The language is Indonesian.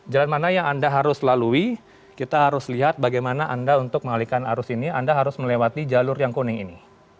jalan mana yang anda harus lalui kita harus lihat bagaimana anda untuk mengalihkan arus ini anda harus melewati jalur yang kuning ini